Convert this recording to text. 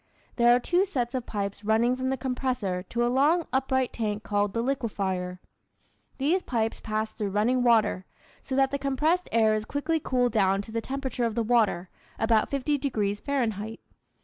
There are two sets of pipes running from the compressor to a long upright tank called the liquefier. These pipes pass through running water, so that the compressed air is quickly cooled down to the temperature of the water (about 50 degrees Fahrenheit).